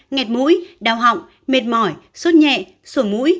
nghẹt mũi đau họng mệt mỏi sốt nhẹ sổ mũi